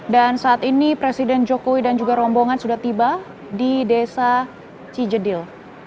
dan saat ini presiden jokowi dan juga rombongan sudah tiba di desa cijedil